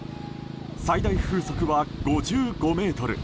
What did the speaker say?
最大風速は５５メートル。